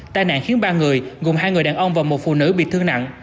tai nạn khiến ba người gồm hai người đàn ông và một phụ nữ bị thương nặng